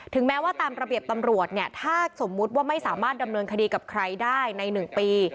แม้ว่าตามระเบียบตำรวจเนี่ยถ้าสมมุติว่าไม่สามารถดำเนินคดีกับใครได้ใน๑ปี